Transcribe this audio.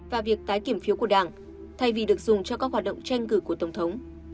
và việc tái kiểm phiếu của đảng thay vì được dùng cho các hoạt động tranh cử của tổng thống